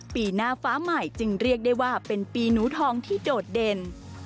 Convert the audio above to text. ปีหน้าฟ้าใหม่จึงเรียกได้ว่าเป็นปีหนูทองที่โดดเด่น